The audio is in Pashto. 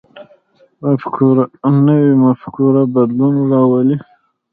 نوی مفکوره بدلون راولي